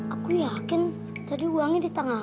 aku yakin tadi uangnya di tanganku